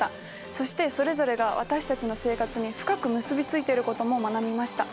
そしてそれぞれが私たちの生活に深く結び付いてることも学びました。